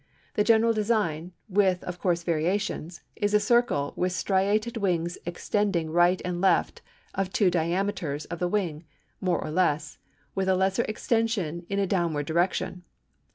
The general design, with of course variations, is a circle with striated wings extending right and left to two diameters of the wing, more or less, with a lesser extension in a downward direction.